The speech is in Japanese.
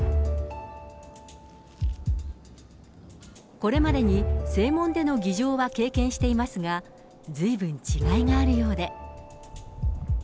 これまでに、正門での儀じょうは経験していますが、ずいぶん違いがあるようで。